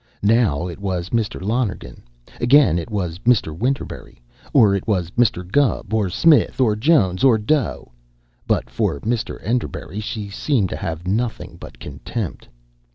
Now it was Mr. Lonergan; again it was Mr. Winterberry or it was Mr. Gubb, or Smith, or Jones, or Doe; but for Mr. Enderbury she seemed to have nothing but contempt.